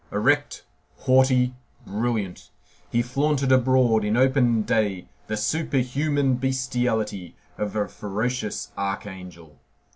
Erect, haughty, brilliant, he flaunted abroad in open day the superhuman bestiality of a ferocious archangel.